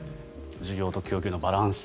需要と供給のバランス